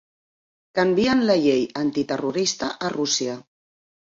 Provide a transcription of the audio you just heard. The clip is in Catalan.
Canvien la llei antiterrorista a Rússia